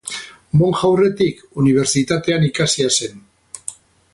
Monja aurretik unibertsitatean ikasia zen.